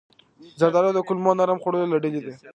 زردالو د کولمو نرم خوړو له ډلې ده.